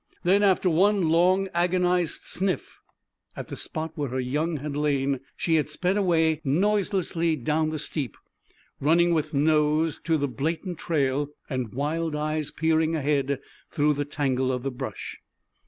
Then, after one long, agonized sniff at the spot where her young had lain, she had sped away noiselessly down the steep, running with nose to the blatant trail and wild eyes peering ahead through the tangle of the brush.